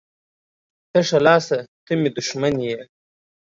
تشه لاسه ته مې دښمن یې